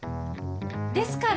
ですから。